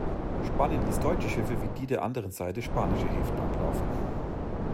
Spanien ließ deutsche Schiffe wie die der anderen Seite spanische Häfen anlaufen.